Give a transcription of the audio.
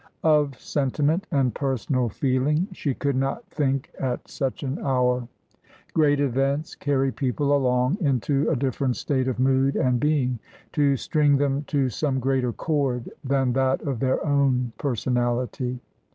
Of senti ment and personal feeling she could not think at such an hour. ADIEU LES SONGES D'oR. 1 79 Great events carry people along into a different state of mood and being, to string them to some greater chord than that of their own personality.